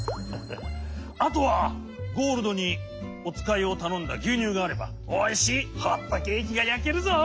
あとはゴールドにおつかいをたのんだぎゅうにゅうがあればおいしいホットケーキがやけるぞ！